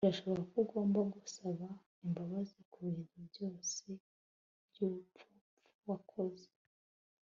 birashoboka ko ugomba gusaba imbabazi kubintu byose byubupfu wakoze